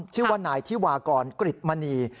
ชื่อว่านายที่วากรกฤทธิ์มณี